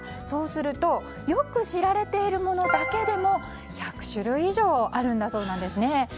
そうするとよく知られているものだけでも１００種類以上あるんだそうなんです。